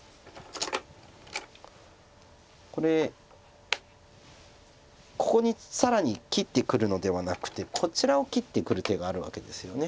これここに更に切ってくるのではなくてこちらを切ってくる手があるわけですよね。